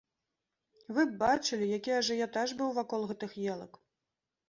Вы б бачылі, які ажыятаж быў вакол гэтых елак!